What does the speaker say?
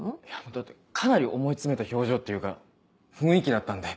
だってかなり思い詰めた表情っていうか雰囲気だったんで。